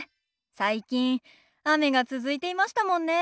最近雨が続いていましたもんね。